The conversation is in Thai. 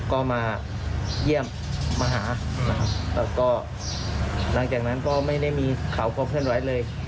ก็มาเยี่ยมมาหานะครับแล้วก็หลังจากนั้นก็ไม่ได้มีข่าวความเคลื่อนไหวเลย